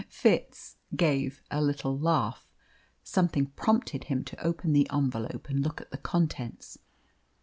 Fitz gave a little laugh. Something prompted him to open the envelope and look at the contents.